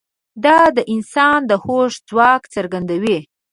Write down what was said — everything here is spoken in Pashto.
دا د انسان د هوښ ځواک څرګندوي.